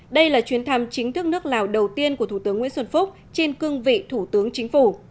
đây là chuyến thăm chính thức nước lào đầu tiên của thủ tướng nguyễn xuân phúc trên cương vị thủ tướng chính phủ